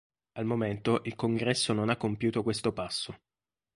Al momento il Congresso non ha compiuto questo passo.